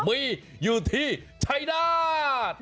มีอยู่ที่ชัยนาธิ์